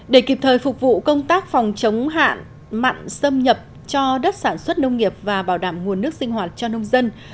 để kịp thời phục vụ công tác phòng chống hạn mặn xâm nhập cho đất sản xuất nông nghiệp và bảo đảm nguồn nước sinh hoạt cho nông dân